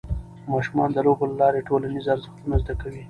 ماشومان د لوبو له لارې ټولنیز ارزښتونه زده کوي.